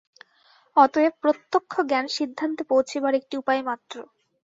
অতএব প্রত্যক্ষ জ্ঞান সিদ্ধান্তে পৌঁছিবার একটি উপায় মাত্র।